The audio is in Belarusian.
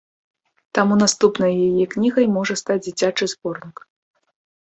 Таму наступнай яе кнігай можа стаць дзіцячы зборнік.